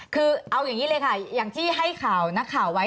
คือเอาอย่างนี้เลยค่ะอย่างที่ให้ข่าวนักข่าวไว้